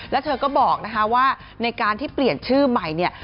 แล้วเธอก็บอกนะคะว่าในการที่เปลี่ยนชื่อใหม่เนี่ย